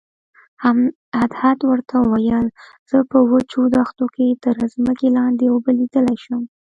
هدهد ورته وویل زه په وچو دښتو کې تر ځمکې لاندې اوبه لیدلی شم.